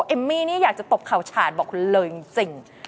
เอมมี่นี่อยากจะตบเข่าฉาดบอกคุณเลยจริง